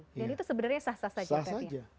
dan itu sebenarnya sah sah saja